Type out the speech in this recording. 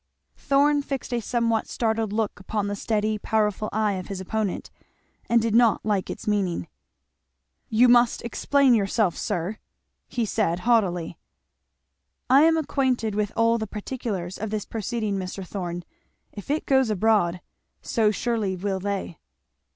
Thorn fixed a somewhat startled look upon the steady powerful eye of his opponent, and did not like its meaning. "You must explain yourself, sir," he said haughtily. "I am acquainted with all the particulars of this proceeding, Mr. Thorn. If it goes abroad, so surely will they."